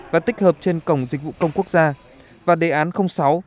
và tích hợp trên cổng dịch vụ công quốc gia và đề án sáu